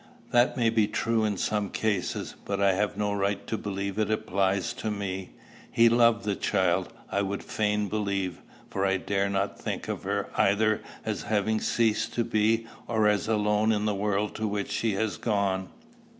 "That may be true in some cases, but I have no right to believe it applies to me. He loved the child, I would fain believe; for I dare not think of her either as having ceased to be, or as alone in the world to which she has gone.